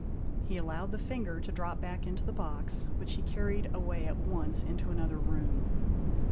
He allowed the finger to drop back into the box, which he carried away at once into another room.